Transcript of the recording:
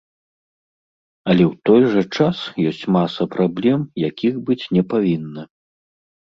Але ў той жа час ёсць маса праблем, якіх быць не павінна.